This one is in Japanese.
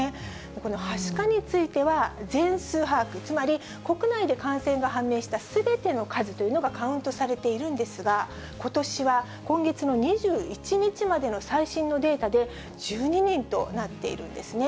このはしかについては、全数把握、つまり国内で感染が判明したすべての数というのがカウントされているんですが、ことしは、今月の２１日までの最新のデータで、１２人となっているんですね。